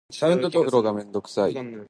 お風呂がめんどくさい